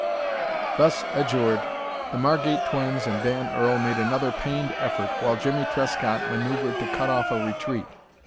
Thus adjured, the Margate twins and Dan Earl made another pained effort, while Jimmie Trescott manoeuvred to cut off a retreat.